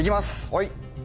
はい。